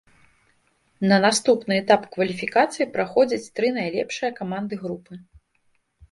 На наступны этап кваліфікацыі праходзяць тры найлепшыя каманды групы.